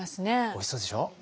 おいしそうでしょう。